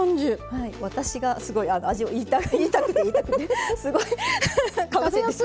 はい私がすごい味を言いたくて言いたくてすごいかぶせて。